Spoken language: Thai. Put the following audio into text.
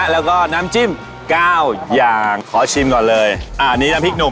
แล้วก็น้ำจิ้ม๙อย่างขอชิมก่อนเลยอันนี้น้ำพริกหนุ่ม